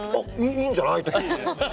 「いいんじゃない」とか。